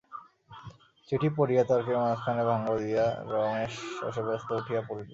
চিঠি পড়িয়া তর্কের মাঝখানে ভঙ্গ দিয়া রমেশ শশব্যস্তে উঠিয়া পড়িল।